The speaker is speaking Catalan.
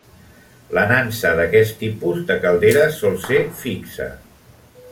La nansa d'aquest tipus de calderes sol ser fixa.